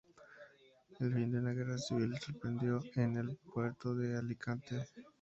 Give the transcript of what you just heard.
El fin de la guerra civil le sorprendió en el puerto de Alicante.